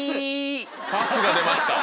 パスが出ました